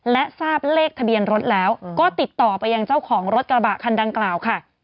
และทราบเลขทะเบียนรถแล้วก็ติดต่อไปยังเจ้าของรถกระบะคันดังกล่าวค่ะ